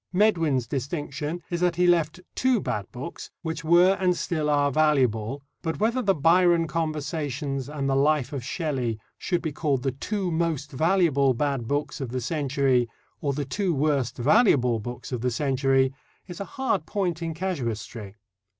Medwin's distinction is that he left two bad books which were and still are valuable, but whether the Byron Conversations and the Life of Shelley should be called the two most valuable bad books of the century or the two worst valuable books of the century is a hard point in casuistry."